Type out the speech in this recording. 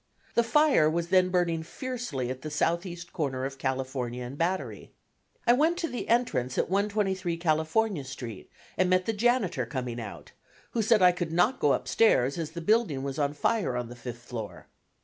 The fire was then burning fiercely at the southeast corner of California and Battery. I went to the entrance at 123 California Street and met the janitor coming out, who said I could not go upstairs, as the building was on fire on the fifth floor.